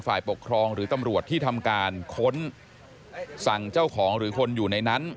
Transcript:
ฝ่ายปกครองหรือตำรวจที่ทำการค้นสั่งเจ้าของหรือคนอยู่ในนั้น